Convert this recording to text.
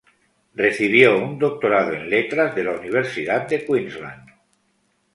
Recibió un doctorado en letras de la Universidad de Queensland.